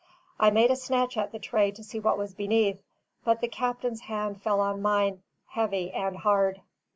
I made a snatch at the tray to see what was beneath; but the captain's hand fell on mine, heavy and hard.